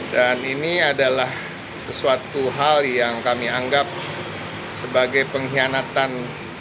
dan ini adalah sesuatu hal yang kami anggap sebagai pengkhianatan